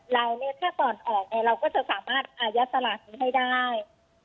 ไลน์นี้ถ้าตอนออกเราก็จะสามารถอายัดสลากนี้ให้ได้